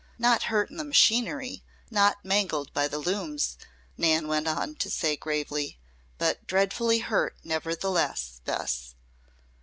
"Not hurt in the machinery, not mangled by the looms," Nan went on to say, gravely. "But dreadfully hurt nevertheless, Bess.